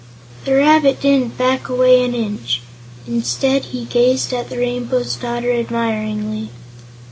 The rabbit didn't back away an inch. Instead, he gazed at the Rainbow's Daughter admiringly.